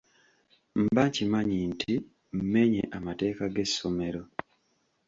Mba nkimanyi nti mmenye amateeka g’essomero.